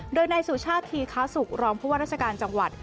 โดยในสู่ชาติธีคสุกรองพวกราชการจังหวัด